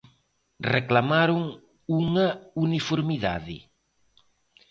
Reclamaron unha uniformidade.